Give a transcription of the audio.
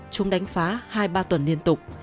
chung đánh phá hai ba tuần liên tục